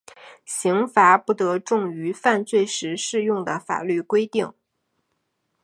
刑罚不得重于犯罪时适用的法律规定。